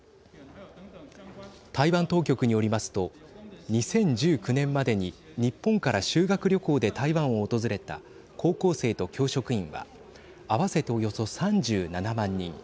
台湾当局によりますと２０１９年までに日本から修学旅行で台湾を訪れた高校生と教職員は合わせておよそ３７万人。